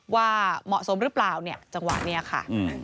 ว่าเหมาะสมหรือเปล่าเนี่ยจังหวะนี้ค่ะ